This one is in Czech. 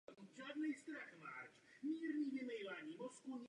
Je to levý přítok řeky Paraná.